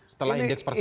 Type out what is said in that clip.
setelah indeks persepsi